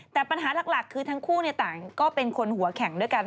แต่ปัญหาหลักคือทั้งคู่ต่างก็เป็นคนหัวแข็งด้วยกัน